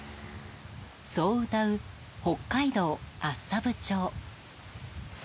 そううたう北海道厚沢部町。